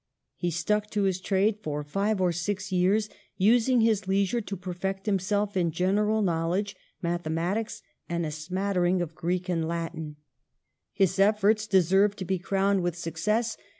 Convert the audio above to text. He stuck to his trade for five or six years, using his leisure to perfect himself in general knowledge, mathematics, and a smatter ing of Greek and Latin. 14 EMILY BRONTE. His efforts deserved to be crowned with suc cess.